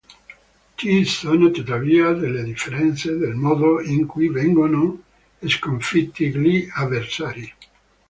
Ci sono tuttavia delle differenze nel modo in cui vengono sconfitti gli avversari.